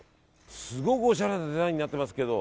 すごくおしゃれなデザインになってますけど。